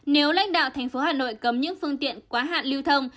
nếu lãnh đạo tp hà nội cấm những phương tiện quá hạn lưu thông